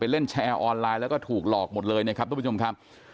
เล่นแชร์ออนไลน์แล้วก็ถูกหลอกหมดเลยนะครับทุกผู้ชมครับ